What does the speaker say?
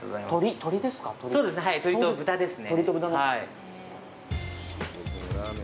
鶏と豚ですね。